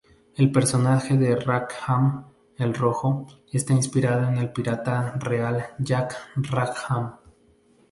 El personaje de Rackham el Rojo está inspirado en el pirata real Jack Rackham.